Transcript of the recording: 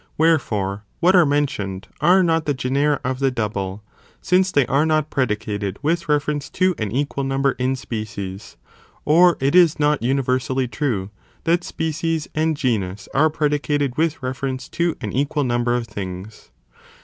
Wherefore, what are mentioned, are not the genera of the double, since they are not predicated with reference to an equal number in species, or it is not universally true that species and genus are predicated with reference to an equal number of things.!